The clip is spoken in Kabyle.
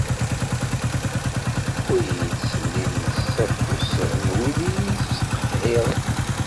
Ur iyi-ttsellim s afus n wid i iyi-ittqehhiren.